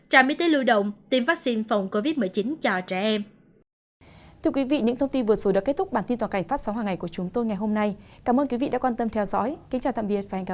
trạm y tế lưu động tiêm vaccine phòng covid một mươi chín cho trẻ em